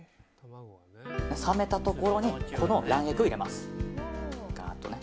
冷めたところに卵液を入れます。